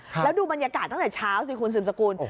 แล้วดูบรรยากาศตั้งแต่เช้าสิคุณสืบสกุล